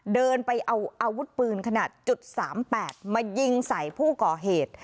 เดินไปเอาอาวุธปืนขนาด๓๘มายิงใส่ผู้ก่อเหตุ